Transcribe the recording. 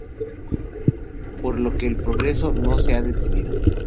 Por lo que el progreso no se ha detenido.